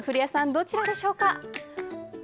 どちらでしょうか。